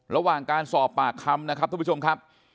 ระหว่างการสอบปากคำนะครับทุกผู้ชมครับ